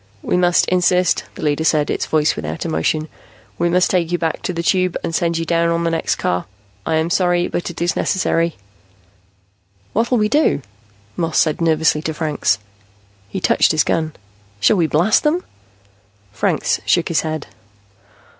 "We must insist," the leader said, its voice without emotion. "We must take you back to the Tube and send you down on the next car. I am sorry, but it is necessary." "What'll we do?" Moss said nervously to Franks. He touched his gun. "Shall we blast them?" Franks shook his head.